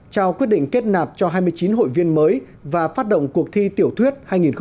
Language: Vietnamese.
trao quyết định kết nạp cho hai mươi chín hội viên mới và phát động cuộc thi tiểu thuyết hai nghìn một mươi bảy hai nghìn hai mươi